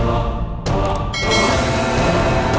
ya udah kakaknya sudah selesai